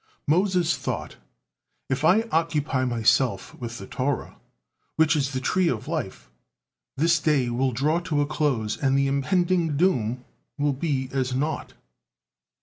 Moses thought, "If I occupy myself with the Torah, which is the tree of life, this day will draw to a close, and the impending doom will be as naught."